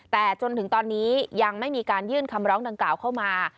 แต่จนถึงตอนนี้ยังไม่มีการยื่นคำร้องดังกล่าวเข้ามา